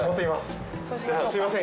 すいません。